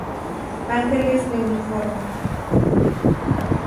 Ángeles de uniforme